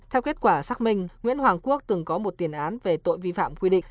theo kết quả xác minh nguyễn hoàng quốc từng có một tiền án về tội vi phạm quy định